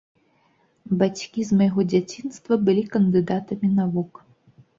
Бацькі з майго дзяцінства былі кандыдатамі навук.